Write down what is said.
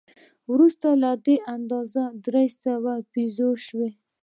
وروسته دا اندازه درې سوه پیزو شوه.